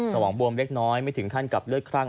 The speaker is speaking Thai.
สมองบวมเล็กน้อยไม่ถึงขั้นกับเลือดคลั่ง